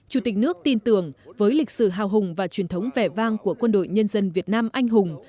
chủ tịch nước tin tưởng với lịch sử hào hùng và truyền thống vẻ vang của quân đội nhân dân việt nam anh hùng